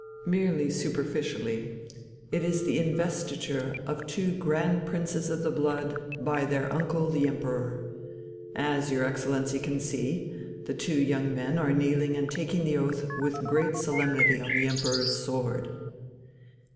"Merely superficially. It is the investiture of two Grand princes of the blood by their uncle, the Emperor. As your Excellency can see, the two young men are kneeling and taking the oath with great solemnity on the Emperor's sword."